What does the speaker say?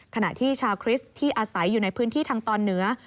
ขณะที่ชาวคริสต์ที่อาศัยอยู่ในพื้นที่ทางตอนเหนือ